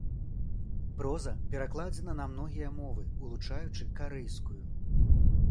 Проза перакладзена на многія мовы, улучаючы карэйскую.